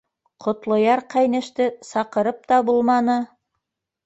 — Ҡотлояр ҡәйнеште саҡырып та булманы.